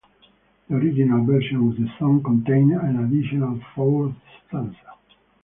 The original version of the song contained an additional fourth stanza.